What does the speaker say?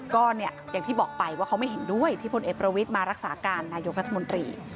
ก็เนี่ยอย่างที่บอกไปว่าเขาไม่เห็นด้วยที่พลเอกประวิทย์มารักษาการนายกรัฐมนตรี